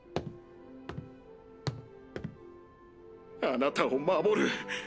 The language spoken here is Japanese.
あなたを守る。